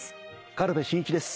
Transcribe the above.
軽部真一です。